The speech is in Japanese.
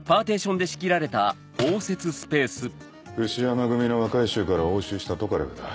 牛山組の若い衆から押収したトカレフだ。